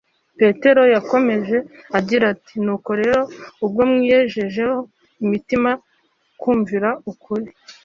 Petero yakomeje agira ati: “nuko rero ubwo mwiyejejesheje imitima kumvira ukuri